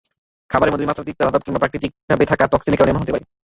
খাবারের মধ্যে মাত্রাতিরিক্ত ধাতব কিংবা প্রাকৃতিকভাবে থাকা টক্সিনের কারণে এমন হতে পারে।